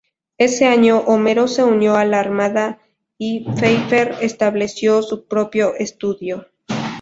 Ese año, Homer se unió a la armada; y, Pfeiffer estableció su propio estudio.